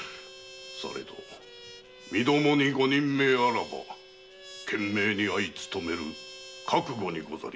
されど身共にご任命あらば懸命にあい勤める覚悟にございまする。